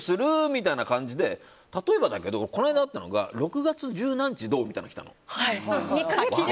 みたいな感じで例えばだけど、この間あったのが６月十何日どう？みたいな。